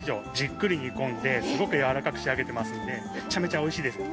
当店のポークは６時間以上じっくり煮込んですごくやわらかく仕上げてますのでめちゃめちゃおいしいです。